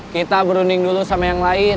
kita berunding dulu sama yang lain